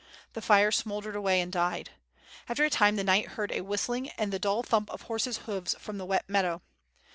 The fire smouldered away and r»ied. After a Lime the knight neard a .,histlin^ and the dull thump of horses' hoofs from the wet meadow.